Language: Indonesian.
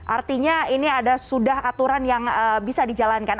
artinya ini sudah aturan yang bisa dijalankan